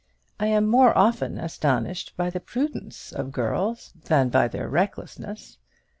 I am more often astonished by the prudence of girls than by their recklessness.